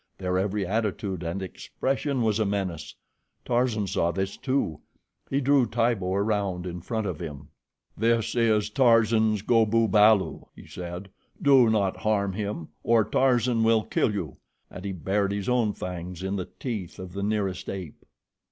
Their every attitude and expression was a menace. Tarzan saw this, too. He drew Tibo around in front of him. "This is Tarzan's Go bu balu," he said. "Do not harm him, or Tarzan will kill you," and he bared his own fangs in the teeth of the nearest ape.